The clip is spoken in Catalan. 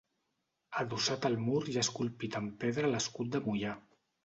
Adossat al mur hi ha esculpit en pedra l'escut de Moià.